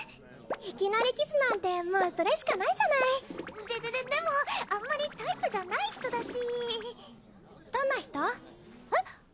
いきなりキスなんてもうそれしかないじゃないででででもあんまりタイプじゃない人だしどんな人？えっ？